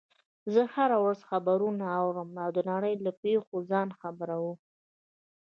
زه هره ورځ خبرونه اورم او د نړۍ له پیښو ځان خبر وم